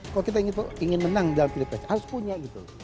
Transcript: kalau kita ingin menang dalam pilpres harus punya gitu